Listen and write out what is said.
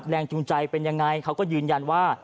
แรงจูงใจเป็นยังไงเขาก็ยืนยันว่า